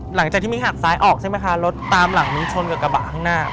หลังจากที่มีหักซ้ายออกใช่ไหมคะรถตามหลังนี้ชนกับกระบะข้างหน้า